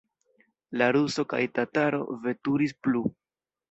La ruso kaj tataro veturis plu.